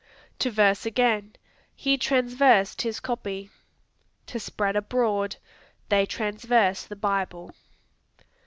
To verse again; "He transversed his copy." To spread abroad; "They transverse the Bible."